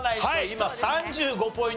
今３５ポイント差。